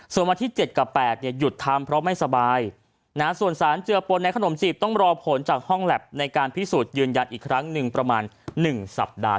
ส่วนวันที่๗กับ๘หยุดทำเพราะไม่สบายส่วนสารเจือปนในขนมจีบต้องรอผลจากห้องแล็บในการพิสูจน์ยืนยันอีกครั้งหนึ่งประมาณ๑สัปดาห์